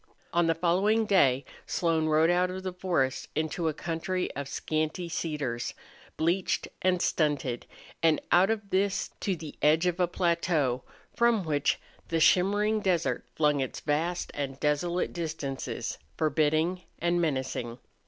On the following day Slone rode out of the forest into a country of scanty cedars, bleached and stunted, and out of this to the edge of a plateau, from which the shimmering desert flung its vast and desolate distances, forbidding and menacing.